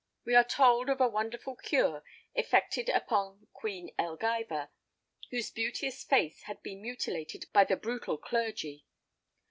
We are told of a wonderful cure effected upon Queen Elgiva, whose beauteous face had been mutilated by the brutal clergy.